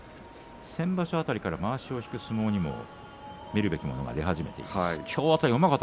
先場所辺りからまわしを引く相撲にも見るべきものは含まれました。